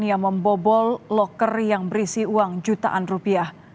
yang membobol loker yang berisi uang jutaan rupiah